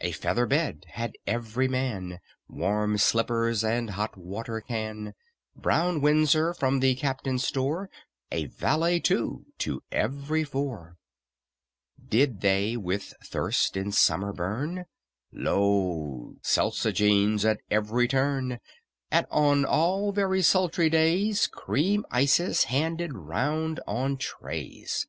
A feather bed had every man, Warm slippers and hot water can, Brown windsor from the captain's store, A valet, too, to every four. Did they with thirst in summer burn, Lo, seltzogenes at every turn, And on all very sultry days Cream ices handed round on trays.